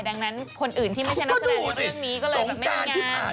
ดังนั้นคนอื่นที่ไม่ใช่นักแสดงในเรื่องนี้ก็เลยไม่มีงาน